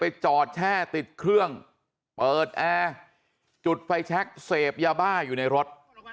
จอดแช่ติดเครื่องเปิดแอร์จุดไฟแชคเสพยาบ้าอยู่ในรถ